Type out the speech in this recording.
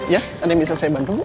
iya ada yang bisa saya bantu